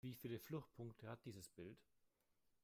Wie viele Fluchtpunkte hat dieses Bild?